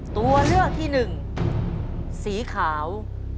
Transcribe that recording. ตัวเลือกที่หนึ่งสีขาว